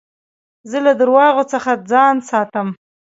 زه له درواغو څخه ځان ساتم.